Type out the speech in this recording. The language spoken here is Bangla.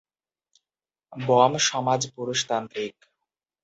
বম সমাজ পুরুষতান্ত্রিক।